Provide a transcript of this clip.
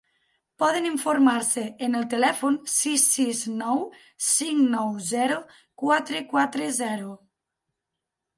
Poden informar-se en el telèfon sis sis nou cinc nou zero quatre quatre zero.